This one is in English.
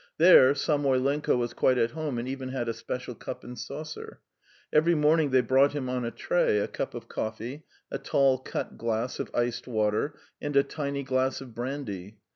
There Samoylenko was quite at home, and even had a special cup and saucer. Every morning they brought him on a tray a cup of coffee, a tall cut glass of iced water, and a tiny glass of brandy.